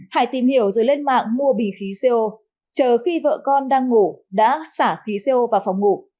hải tìm hiểu rồi lên mạng mua bì khí co chờ khi vợ con đang ngủ đã xả khí co vào phòng ngủ